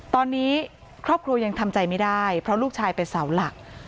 ตอนนี้ครอบครัวยังทำใจไม่ได้เพราะลูกชายเป็นเสาหลัก